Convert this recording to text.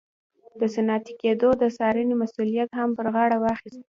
د صنعتي کېدو د څارنې مسوولیت هم پر غاړه واخیست.